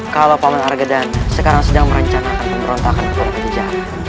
kalau paman arga dana sekarang sedang merancangkan pemberontakan pajajaran